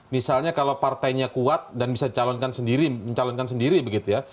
misalnya kalau partainya kuat dan bisa mencalonkan sendiri begitu ya